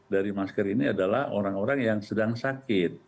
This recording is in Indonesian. dari masker ini adalah orang orang yang sedang sakit